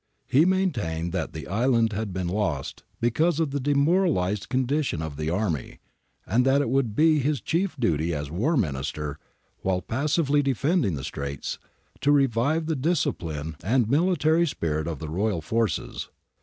He maintained that the island had been lost because of the demoralised condition of the army, and that it would be his chief duty as War Minister, while passively defending the Straits, to revive the discipline and military spirit of the Royal forces.